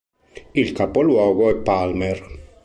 Il capoluogo è Palmer.